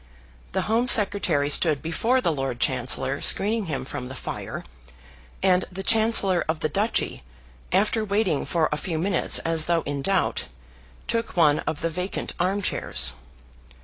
The Home Secretary stood before the Lord Chancellor screening him from the fire, and the Chancellor of the Duchy, after waiting for a few minutes as though in doubt, took one of the vacant armchairs.